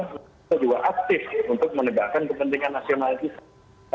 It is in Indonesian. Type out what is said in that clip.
kita juga aktif untuk menegakkan kepentingan nasional kita